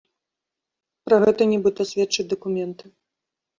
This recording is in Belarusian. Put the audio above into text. Пра гэта, нібыта, сведчаць дакументы.